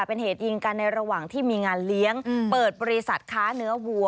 เป็นเหตุยิงกันในระหว่างที่มีงานเลี้ยงเปิดบริษัทค้าเนื้อวัว